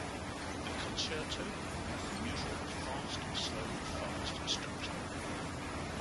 The concerto has the usual fast-slow-fast structure.